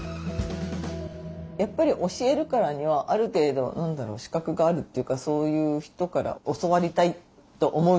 やっぱり教えるからにはある程度資格があるというかそういう人から教わりたいと思うじゃないですか。